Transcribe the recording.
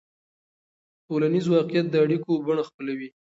ټولنیز واقعیت د اړیکو بڼه خپلوي.